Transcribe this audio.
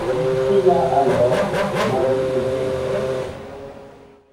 Il pria alors Marie, et guérit.